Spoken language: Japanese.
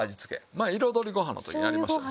前彩りご飯の時にやりました。